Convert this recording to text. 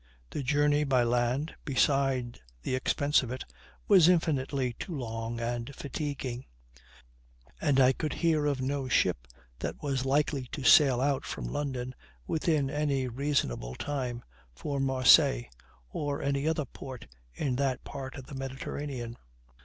The Journey by land, beside the expense of it, was infinitely too long and fatiguing; and I could hear of no ship that was likely to set out from London, within any reasonable time, for Marseilles, or any other port in that part of the Mediterranean.